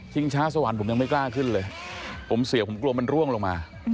ช้าสวรรค์ผมยังไม่กล้าขึ้นเลยผมเสียผมกลัวมันร่วงลงมา